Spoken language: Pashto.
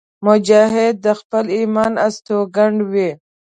مجاهد د خپل ایمان استوګن وي.